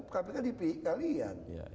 kpk di pik kalian